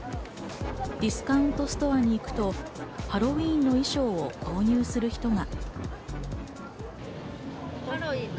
ディスカウントストアに行くと、ハロウィーンの衣装を購入する人が。